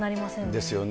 ですよね。